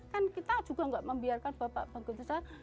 kan kita juga enggak membiarkan bapak begitu saja